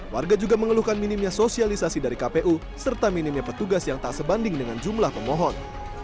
warga juga mengeluhkan minimnya sosialisasi dari kpu serta minimnya petugas yang tak sebanding dengan jumlah pemohon